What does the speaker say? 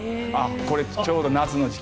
これ、ちょうど夏の時期。